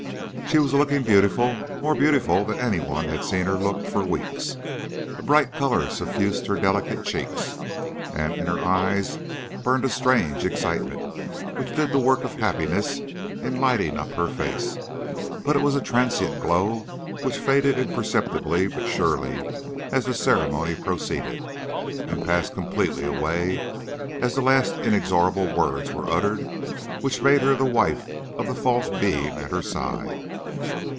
"She was looking beautiful; more beautiful than any one had seen her look for weeks. A bright color suffused her delicate cheeks, and in her eyes burned a strange excitement, which did the work of happiness in lighting up her face. But it was a transient glow which faded imperceptibly but surely, as the ceremony proceeded, and passed completely away as the last inexorable words were uttered which made her the wife of the false being at her side.